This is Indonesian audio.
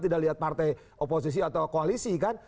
tidak lihat partai oposisi atau koalisi kan